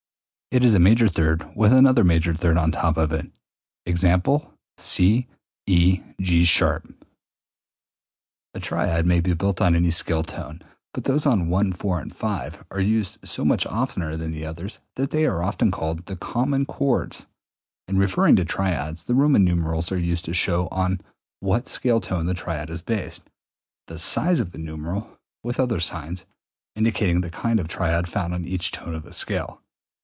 _, it is a major third with another major third on top of it. Ex. C E G[sharp]. 198. A triad may be built on any scale tone, but those on I, IV, and V, are used so much oftener than the others that they are often called the common chords. In referring to triads the Roman numerals are used to show on what scale tone the triad is based, the size of the numeral (with other signs) indicating the kind of triad found on each tone of the scale.